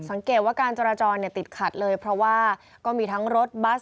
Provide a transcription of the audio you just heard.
สังเกตว่าการจราจรติดขัดเลยเพราะว่าก็มีทั้งรถบัส